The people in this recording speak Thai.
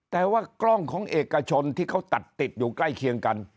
แต่ว่ากล้องของเอกชนที่เขาตัดติดอยู่ใกล้เคียงกัน